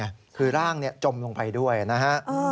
คือร่างจมลงไปด้วยนะฮะ